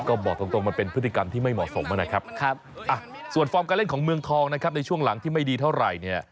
ก็บอกตรงมันเป็นพฤติกรรมที่ไม่เหมาะสมนะครับส่วนฟอร์มการเล่นของเมืองทองนะครับในช่วงหลังที่ไม่ดีเท่าไหร่เนี่ย